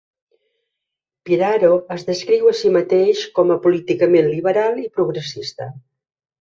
Piraro es descriu a si mateix com a "políticament liberal i progressista".